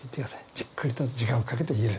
じっくりと時間をかけて入れる。